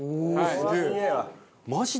すげえ。